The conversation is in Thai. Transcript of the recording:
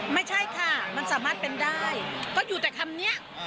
ไม่ใช่ค่ะมันสามารถเป็นได้ก็อยู่แต่คำนี้